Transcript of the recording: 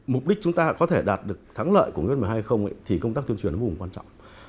mục đích chúng ta có thể đạt được thắng lợi của nghị quyết một mươi hai không thì công tác tuyên truyền cũng quan trọng